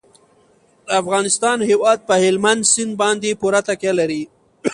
د افغانستان هیواد په هلمند سیند باندې پوره تکیه لري.